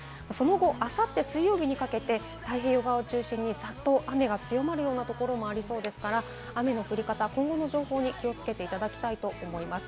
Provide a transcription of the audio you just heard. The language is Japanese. あさって水曜日にかけて太平洋側を中心にざっと雨が強まるようなところもありそうですから、雨の降り方、今後の情報に気をつけていただきたいと思います。